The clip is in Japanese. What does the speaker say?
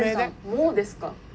もうですか？